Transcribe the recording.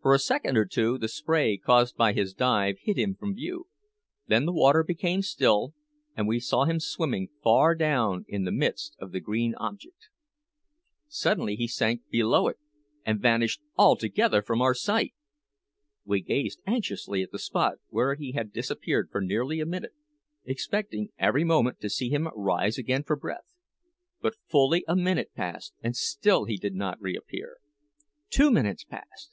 For a second or two the spray caused by his dive hid him from view; then the water became still, and we saw him swimming far down in the midst of the green object. Suddenly he sank below it, and vanished altogether from our sight! We gazed anxiously down at the spot where he had disappeared for nearly a minute, expecting every moment to see him rise again for breath; but fully a minute passed and still he did not reappear. Two minutes passed!